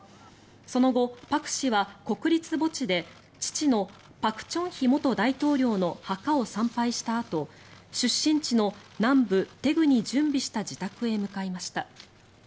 その後、朴氏は国立墓地で父の朴正煕元大統領の墓を参拝したあと出身地の南部・大邱に準備した自宅へ向かいました。